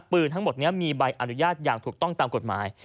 ทั้งหมดนี้มีใบอนุญาตอย่างถูกต้องตามกฎหมาย